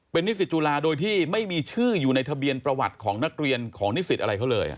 เป็นนิสิตจุฬาโดยที่ไม่มีชื่ออยู่ในทะเบียนประวัติของนักเรียนของนิสิตอะไรเขาเลย